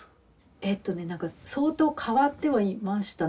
えとねなんか相当変わってはいましたね。